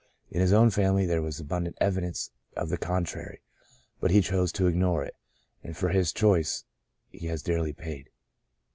In his own family there was abundant evidence of the contrary, but he chose to ignore it, and for his choice he has dearly paid.